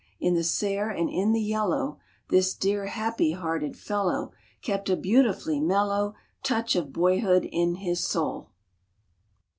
In the sere and in the yellow This dear, happy hearted fellow Kept a beautifully mellow Touch of boyhood in his soul